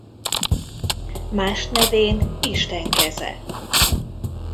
Más nevén isten keze.